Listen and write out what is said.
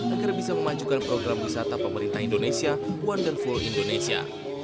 agar bisa memajukan program wisata pemerintah indonesia wonderful indonesia